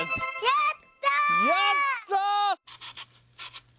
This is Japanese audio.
やった！